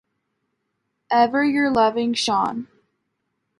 Ever your loving Sean.